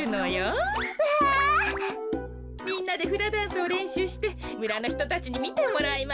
みんなでフラダンスをれんしゅうしてむらのひとたちにみてもらいましょう。